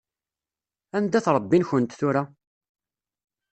Anda-t Ṛebbi-nkent tura?